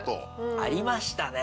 ありましたね。